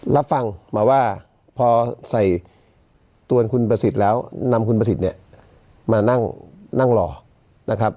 รับฟังมาว่าพอใส่ตัวคุณประสิทธิ์แล้วนำคุณประสิทธิ์เนี่ยมานั่งรอนะครับ